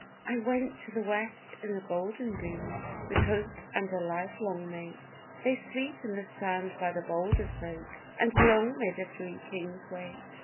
'I went to the West in the golden boom, with Hope and a life long mate, 'They sleep in the sand by the Boulder Soak, and long may the Three Kings wait.